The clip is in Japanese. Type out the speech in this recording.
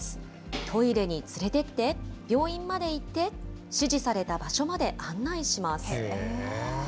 トイレに連れてって、病院まで行って、指示された場所まで案内します。